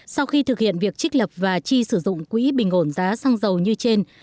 sau khi thực hiện việc trích lập và chi sử dụng quỹ bình ổn giá xăng dầu như trên